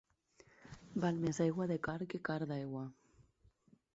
Val més aigua de carn que carn d'aigua.